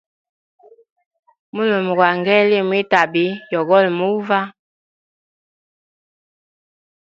Mulume gwa ngee li mwi tabi yogoli muva.